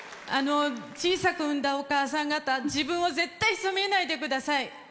小さく生んだお母さん方自分を絶対責めないでください。